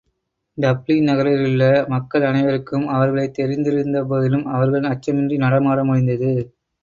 Dublin நகரிலுள்ள மக்கள் அனைவருக்கும் அவர்களைத் தெரிந்திருந்த போதிலும், அவர்கள் அச்சமின்றி நடமாட முடிந்தது.